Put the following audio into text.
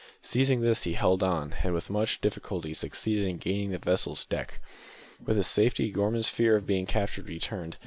Seizing this, he held on, and with much difficulty succeeded in gaining the vessel's deck. With his safety Gorman's fear of being captured returned.